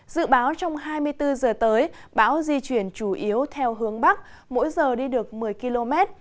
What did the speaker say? dự báo trong hai mươi bốn giờ tới bão di chuyển chủ yếu theo hướng bắc mỗi giờ đi được một mươi km